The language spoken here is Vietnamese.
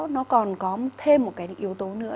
nó còn có thêm một cái yếu tố nữa